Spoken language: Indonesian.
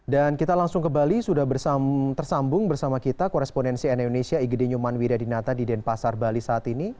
dan kita langsung ke bali sudah tersambung bersama kita korespondensi nu indonesia igd nyoman widah dinata di denpasar bali saat ini